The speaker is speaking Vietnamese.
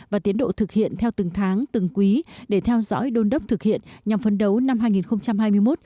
và tiến độ thực hiện theo từng tháng từng quý để theo dõi đôn đốc thực hiện nhằm phấn đấu năm hai nghìn hai mươi một